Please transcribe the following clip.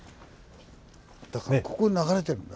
だからここ流れてるんだ。